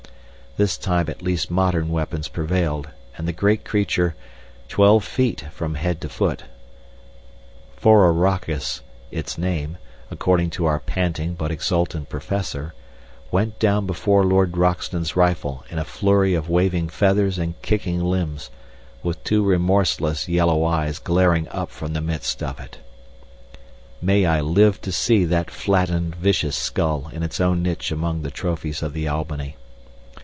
This time at least modern weapons prevailed and the great creature, twelve feet from head to foot phororachus its name, according to our panting but exultant Professor went down before Lord Roxton's rifle in a flurry of waving feathers and kicking limbs, with two remorseless yellow eyes glaring up from the midst of it. May I live to see that flattened vicious skull in its own niche amid the trophies of the Albany.